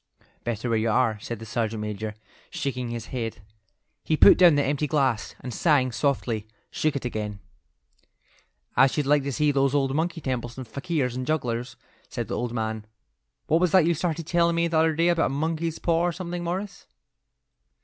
"Better where you are," said the sergeant major, shaking his head. He put down the empty glass, and sighing softly, shook it again. "I should like to see those old temples and fakirs and jugglers," said the old man. "What was that you started telling me the other day about a monkey's paw or something, Morris?"